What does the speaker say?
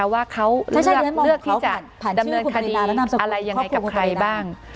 ว่าเขาเลือกที่จะดำเนินคดีอะไรยังไงให้กับใครบ้าง